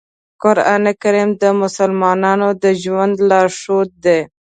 قرآن کریم د مسلمان د ژوند لارښود دی.